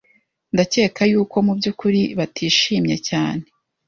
Ndakeka yuko mubyukuri batishimye cyane.